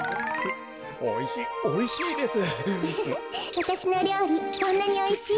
わたしのりょうりそんなにおいしい？